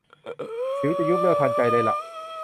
สิวจะยุบเร็วทันใจเลยล่ะ